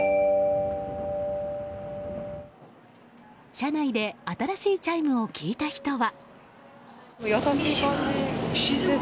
車内で新しいチャイムを聞いた人は。